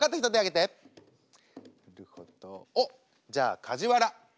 なるほどおっじゃあカジワラ。